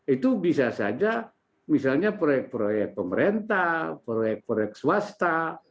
itu bisa saja misalnya proyek proyek pemerintah proyek proyek swasta